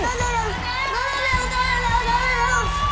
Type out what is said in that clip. เร็ว